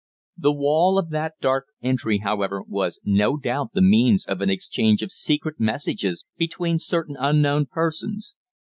The wall of that dark entry, however, was no doubt the means of an exchange of secret messages between certain unknown persons.